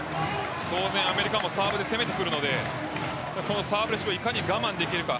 当然アメリカもサーブで攻めてくるのでサーブレシーブをいかに我慢できるか。